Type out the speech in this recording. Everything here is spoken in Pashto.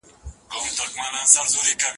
مور ماشوم ته د خوړو عادت ورزده کوي.